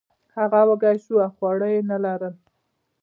هغه وږی شو او خواړه یې نه لرل.